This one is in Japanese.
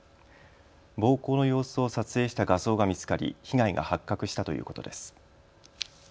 暴行の様子を撮影した画像が見つかり被害が発覚したということです。